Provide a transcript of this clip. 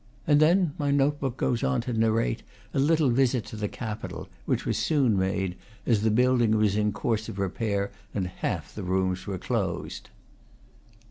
And then my note book goes on to narrate a little visit to the Capitol, which was soon made, as the building was in course of repair and half the rooms were closed.